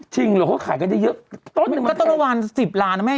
จริงหรือว่าขายกันจะเยอะต้นมันก็ต้นประมาณ๑๐ล้านนะแม่